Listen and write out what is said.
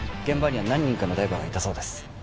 現場には何人かのダイバーがいたそうです